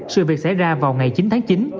sự việc xảy ra vào ngày chín tháng chín